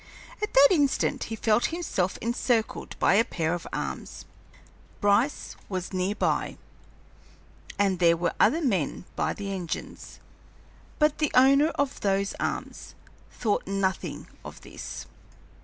At that instant he felt himself encircled by a pair of arms. Bryce was near by, and there were other men by the engines, but the owner of those arms thought nothing of this.